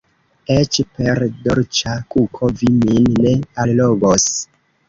Eĉ per dolĉa kuko vi min ne allogos.